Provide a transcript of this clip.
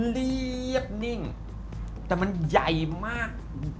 เรียบนิ่งแต่มันใหญ่มาก